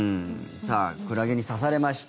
さあクラゲに刺されました。